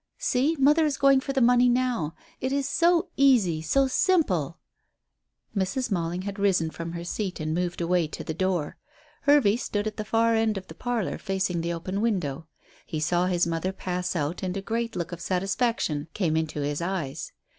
See, mother is going for the money now. It is so easy; so simple." Mrs. Mailing had risen from her seat and moved away to the door. Hervey stood at the far end of the parlour facing the open window. He saw his mother pass out, and a great look of satisfaction came into his eyes.